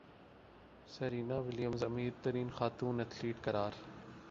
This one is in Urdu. سرینا ولیمز امیر ترین خاتون ایتھلیٹ قرار